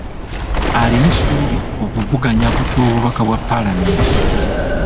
Alina essuubi okuvuganya ku ky’obubaka bwa paalamenti.